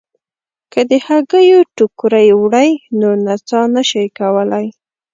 که د هګیو ټوکرۍ وړئ نو نڅا نه شئ کولای.